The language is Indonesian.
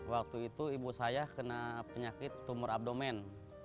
waktu itu ibu saya kena penyakit tumor abdomen